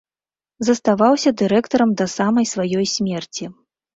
Заставаўся дырэктарам да самай сваёй смерці.